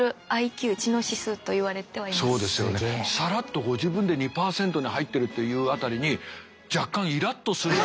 サラッとご自分で２％に入ってるという辺りに若干イラッとする。